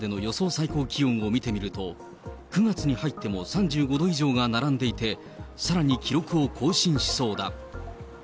最高気温を見てみると、９月に入っても３５度以上が並んでいて、さらに記録を更新しそうだ。